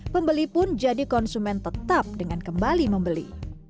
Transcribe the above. pembeli pun jadi konsumen tetap dengan kembali membeli